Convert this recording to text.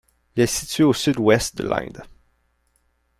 Elle est située au sud ouest de l'Inde.